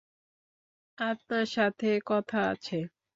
আপনার সাথে কথা আছে।